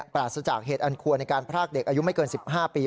ปราศจากเหตุอันควรในการพรากเด็กอายุไม่เกิน๑๕ปี